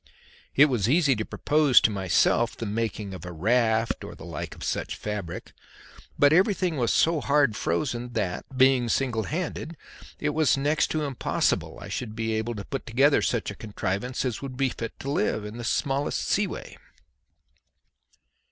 It was easy to propose to myself the making of a raft or the like of such a fabric; but everything was so hard frozen that, being single handed, it was next to impossible I should be able to put together such a contrivance as would be fit to live in the smallest sea way.